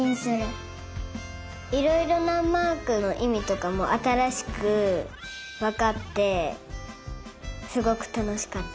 いろいろなマークのいみとかもあたらしくわかってすごくたのしかった。